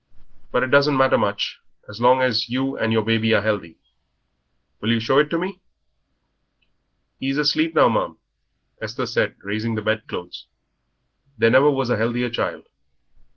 But it doesn't matter much, so long as you and your baby are healthy. Will you show it to me?" "He is asleep now, ma'am," Esther said, raising the bed clothes; "there never was a healthier child."